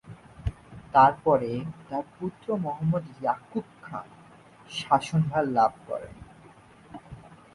তার পরে তার পুত্র মুহাম্মদ ইয়াকুব খান শাসনভার লাভ করেন।